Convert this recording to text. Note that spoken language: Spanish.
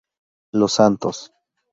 Los Santos.